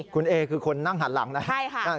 คุณเอคือคนนั่งหันหลังนะ